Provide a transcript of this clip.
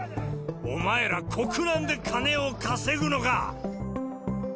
お前ら、国難で金を稼ぐのか！